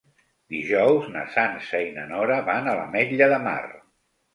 Dijous na Sança i na Nora van a l'Ametlla de Mar.